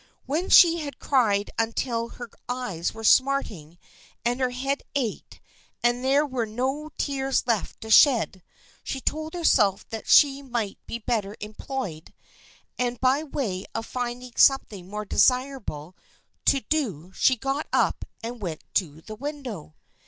When she had cried until her eyes were smarting and her head ached and there were no tears left to shed, she told herself that she might be better employed, and by way of finding something more desirable to do she got up and went to the window.